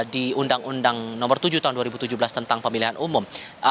di undang undang nomor tujuh tahun dua ribu tujuh belas tentang pemilihan umum